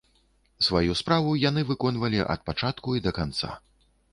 Сваю справу яны выконвалі ад пачатку і да канца.